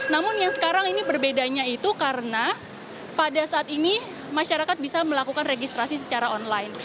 namun yang sekarang ini berbedanya itu karena pada saat ini masyarakat bisa melakukan registrasi secara online